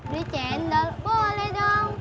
beli cendol boleh dong